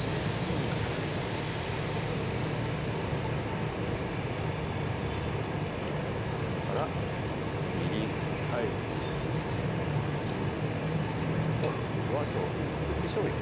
うんそれからみりんはいあとはきょう薄口しょうゆ